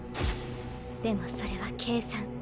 でもそれは計算。